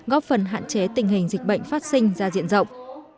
góp phần hạn chế tình hình dịch bệnh phát sinh ra diện rộng